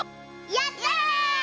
やった！